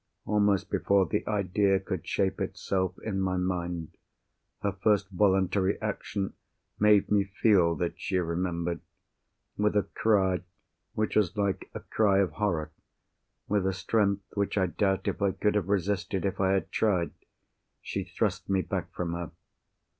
Almost before the idea could shape itself in my mind, her first voluntary action made me feel that she remembered. With a cry which was like a cry of horror—with a strength which I doubt if I could have resisted if I had tried—she thrust me back from her.